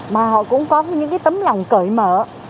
mà họ cũng có những tấm lòng cởi mở